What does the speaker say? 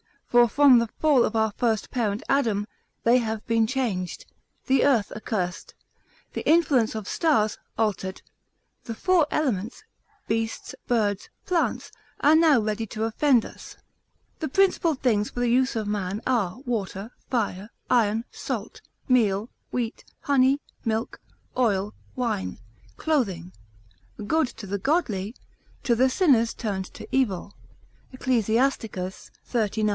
For from the fall of our first parent Adam, they have been changed, the earth accursed, the influence of stars, altered, the four elements, beasts, birds, plants, are now ready to offend us. The principal things for the use of man, are water, fire, iron, salt, meal, wheat, honey, milk, oil, wine, clothing, good to the godly, to the sinners turned to evil, Ecclus. xxxix.